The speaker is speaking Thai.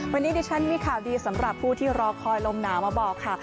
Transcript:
วันนี้ดิฉันมีข่าวดีสำหรับผู้ที่รอคอยลมหนาวมาบอกค่ะ